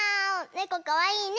ねこかわいいね！